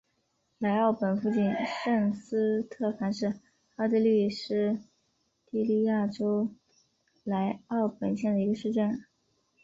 莱奥本附近圣斯特凡是奥地利施蒂利亚州莱奥本县的一个市镇。